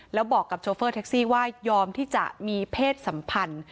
แล้วบอกกับโชเฟอร์แท็กซี่ว่ายอมที่จะมีเพศสัมพันธ์